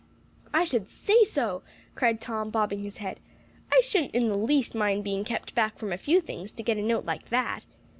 "I should say so!" cried Tom, bobbing his head. "I shouldn't in the least mind being kept back from a few things, to get a note like that.